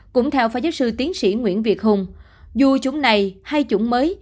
cũng theo phó giáo sư tiến sĩ nguyễn việt hùng dù chúng này hay chủng mới